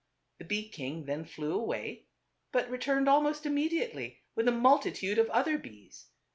The bee king then flew away; but returned, almost immediately, with a multi tude of other bees.